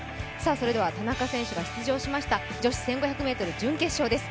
田中選手が出場しました女子１５００ｍ準決勝です。